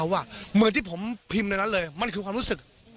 เหมือนที่ผมพิมพ์ในนั้นเลยมันคือความรู้สึก